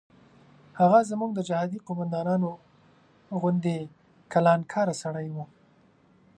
هغه زموږ د جهادي قوماندانانو غوندې کلانکاره سړی و.